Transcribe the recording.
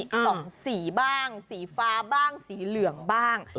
กล่องสีบ้างสีฟ้าบ้างสีเหลืองบ้าง